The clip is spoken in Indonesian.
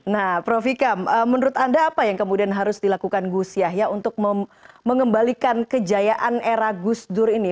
nah prof ikam menurut anda apa yang kemudian harus dilakukan gus yahya untuk mengembalikan kejayaan era gus dur ini